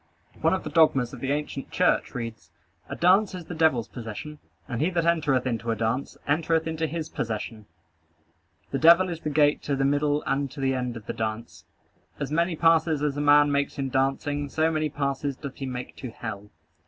One of the dogmas of the ancient church reads: "A dance is the devil's possession; and he that entereth into a dance, entereth into his possession. The devil is the gate to the middle and to the end of the dance. As many passes as a man makes in dancing, so many passes doth he make to hell."